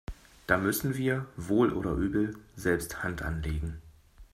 Da müssen wir wohl oder übel selbst Hand anlegen.